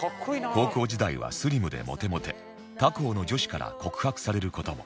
高校時代はスリムでモテモテ他校の女子から告白される事も